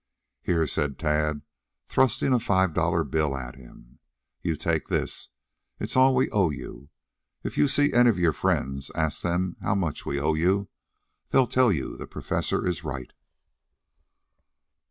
"Here," said Tad, thrusting a five dollar bill at him. "You take this. It's all we owe you. If you see any of your friends, you ask them how much we owe you. They'll tell you the Professor is right."